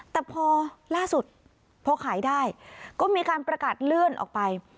แต่พอล่าสุดพอขายได้ก็มีการประกาศเลื่อนออกไป